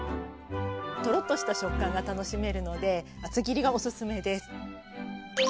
トロッとした食感が楽しめるので厚切りがおすすめです。